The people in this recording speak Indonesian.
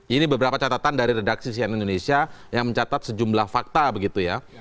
ini beberapa catatan dari redaksi cnn indonesia yang mencatat sejumlah fakta begitu ya